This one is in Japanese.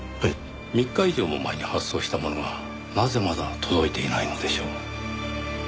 ３日以上も前に発送したものがなぜまだ届いていないのでしょう？